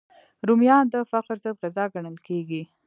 رومیان د فقر ضد غذا ګڼل کېږي